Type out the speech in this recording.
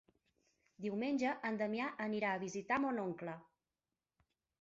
Diumenge en Damià anirà a visitar mon oncle.